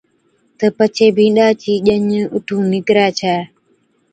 تہ پڇي بِينڏا چِي ڄَڃ اُٺُون نڪري ڇَي